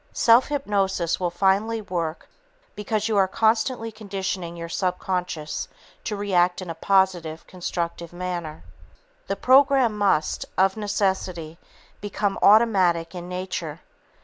Self hypnosis will finally work because you are constantly conditioning your subconscious to react in a positive, constructive manner. The program must, of necessity, become automatic in nature.